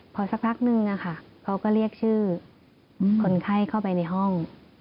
พอสักพักนึงเขาก็เรียกชื่อคนไข้เข้าไปในห้อง